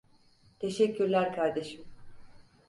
Teşekkürler kardeşim.